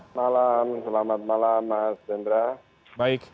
selamat malam selamat malam mas hendra